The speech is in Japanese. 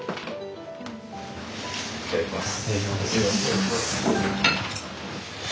いただきます。